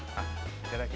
いただき